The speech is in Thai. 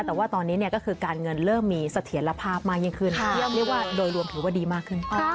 แต่ว่าตอนนี้การเงินเริ่มมีเสถียรภาพมากขึ้นโดยรวมถือว่าดีมากขึ้น